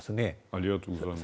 ありがとうございます。